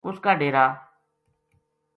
اس کا ڈیرا